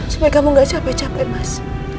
supaya kamu gak capek capek mas